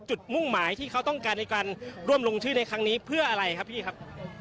มุ่งหมายที่เขาต้องการในการร่วมลงชื่อในครั้งนี้เพื่ออะไรครับพี่ครับ